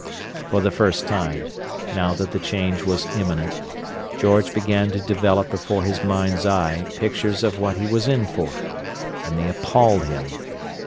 For the first time, now that the change was imminent, George began to develop before his mind's eye pictures of what he was in for; and they appalled him.